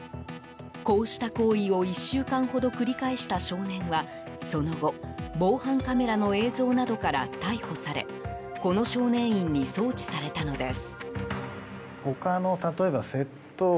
こうした行為を１週間ほど繰り返した少年はその後、防犯カメラの映像などから逮捕されこの少年院に送致されたのです。